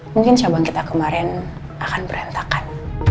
mungkin cabang kita kemarin akan berantakan